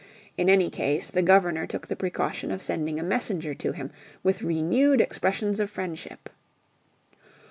In any case the Governor took the precaution of sending a messenger to him with renewed expressions of friendship.